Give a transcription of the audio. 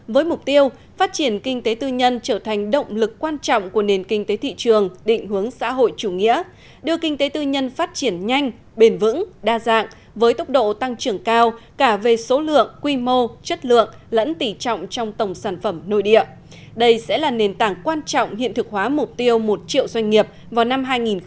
với mục tiêu phát triển kinh tế tư nhân trở thành động lực quan trọng của nền kinh tế thị trường định hướng xã hội chủ nghĩa đưa kinh tế tư nhân phát triển nhanh bền vững đa dạng với tốc độ tăng trưởng cao cả về số lượng quy mô chất lượng lẫn tỷ trọng trong tổng sản phẩm nội địa đây sẽ là nền tảng quan trọng hiện thực hóa mục tiêu một triệu doanh nghiệp vào năm hai nghìn hai mươi